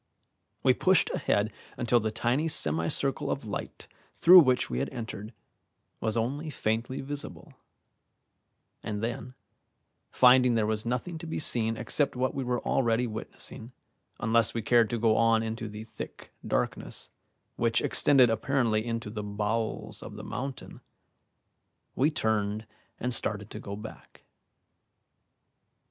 We pushed ahead until the tiny semi circle of light through which we had entered was only faintly visible; and then, finding there was nothing to be seen except what we were already witnessing, unless we cared to go on into the thick darkness, which extended apparently into the bowels of the mountain, we turned and started to go back.